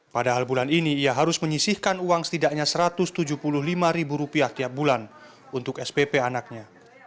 padahal bulan ini ia harus menyisihkan uang setidaknya rp satu ratus tujuh puluh lima tiap bulan untuk spp anaknya